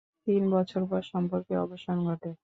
তিন বছর পর সম্পর্কের অবসান ঘটে।